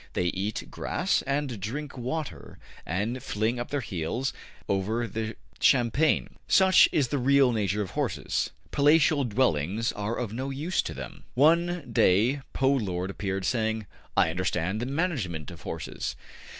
They eat grass and drink water, and fling up their heels over the champaign. Such is the real nature of horses. Palatial dwellings are of no use to them. One day Po Lo appeared, saying: ``I understand the management of horses.''